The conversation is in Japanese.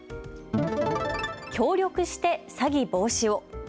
協力して詐欺防止を。